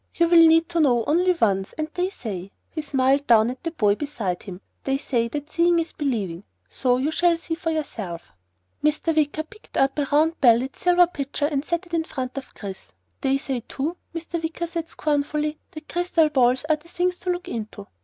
"You will need to know only once and they say " he smiled down at the boy beside him " they say that seeing is believing, so you shall see for yourself." Mr. Wicker picked up the round bellied silver pitcher and set it in front of Chris. "They say too," Mr. Wicker said scornfully, "that crystal balls are the things to look into.